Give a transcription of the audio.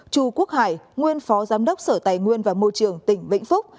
chù quốc hải nguyên phó giám đốc sở tài nguyên và môi trường tỉnh vĩnh phúc